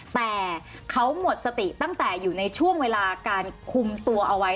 แต่เขาหมดสติตั้งแต่อยู่ในช่วงเวลาการคุมตัวเอาไว้